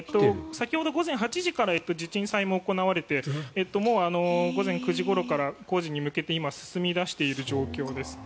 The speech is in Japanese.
先ほど午前８時ごろから地鎮祭も行われて午前９時ごろから工事に向けて今、進み出している状況です。